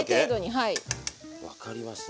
分かりました。